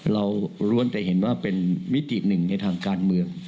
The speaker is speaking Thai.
ล้วนแต่เห็นว่าเป็นมิติหนึ่งในทางการเมือง